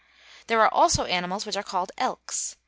There are also animals which are called elks.